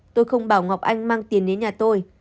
tôi không bảo ngọc anh mang tiền đến nhà tôi